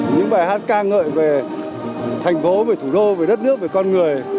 những bài hát ca ngợi về thành phố về thủ đô về đất nước về con người